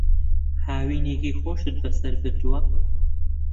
هاوینێکی خۆشت بەسەر بردووە؟